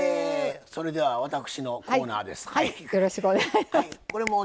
それでは私のコーナーです。